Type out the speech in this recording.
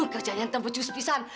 kerjanya itu pecus pisan